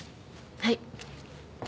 はい。